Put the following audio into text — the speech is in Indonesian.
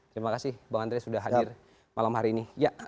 terima kasih bang andre sudah hadir malam hari ini